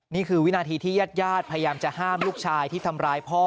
นี่คือวินาทีที่ญาติญาติพยายามจะห้ามลูกชายที่ทำร้ายพ่อ